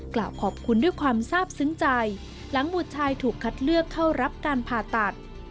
กล่าวขอบคุณด้วยความทราบซึ้งใจหลังบุตรชายถูกคัดเลือกเข้ารับการผ่าตัด